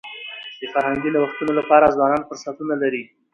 د فرهنګي نوښتونو لپاره ځوانان فرصتونه لري.